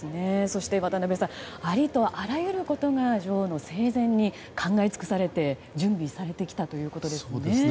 そして渡辺さんありとあらゆることが女王の生前に考え尽くされて準備されてきたということですね。